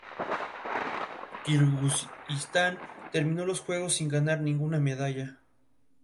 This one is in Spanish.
Kirguistán terminó los juegos sin ganar ninguna medalla.